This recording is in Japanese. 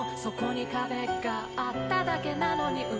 「そこに壁があっただけなのに」